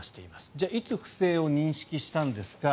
じゃあいつ不正を認識したんですか。